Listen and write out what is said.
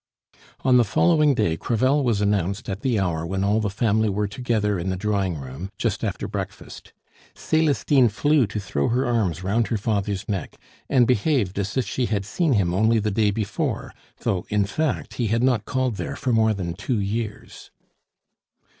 On the following day Crevel was announced at the hour when all the family were together in the drawing room, just after breakfast. Celestine flew to throw her arms round her father's neck, and behaved as if she had seen him only the day before, though in fact he had not called there for more than two years.